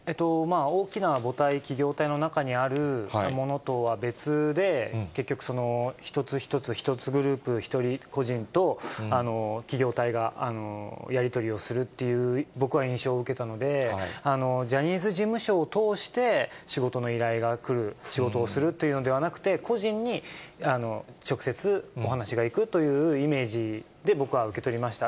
大きな母体、企業体の中にあるものとは別で、結局、一つ一つ、１グループ、１人個人と企業体がやり取りをするっていう、僕は印象を受けたので、ジャニーズ事務所を通して仕事の依頼が来る、仕事をするというのではなくて、個人に直接、お話が行くというイメージで、僕は受け取りました。